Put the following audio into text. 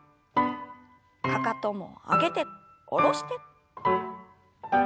かかとも上げて下ろして。